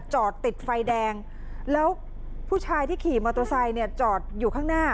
จอดติดไฟแดงแล้วผู้ชายที่ขี่มอเตอร์ไซค์เนี่ยจอดอยู่ข้างหน้า